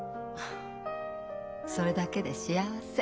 それだけで幸せ。